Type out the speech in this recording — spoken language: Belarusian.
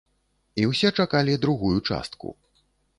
І ўсе чакалі другую частку.